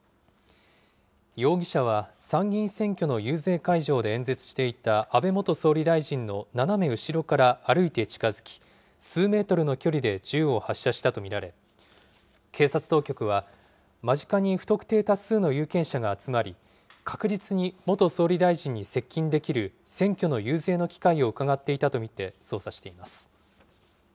容疑者は参議院選挙の遊説会場で演説していた安倍元総理大臣の斜め後ろから歩いて近づき、数メートルの距離で銃を発射したと見られ、警察当局は間近に不特定多数の有権者が集まり、確実に元総理大臣に接近できる選挙の遊説の機会をうかがっていたと見て捜査しています。